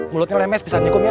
mulutnya lemes pisatnya kum ya